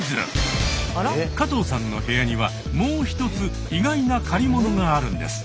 加藤さんの部屋にはもう１つ意外な「借りもの」があるんです。